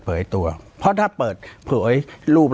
ปากกับภาคภูมิ